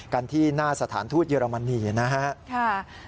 กันที่หน้าสถานทูตเยอรมนีนะครับ